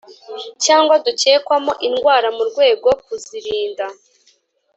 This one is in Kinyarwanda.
Cyangwa dukekwamo indwara mu rwego kuzirinda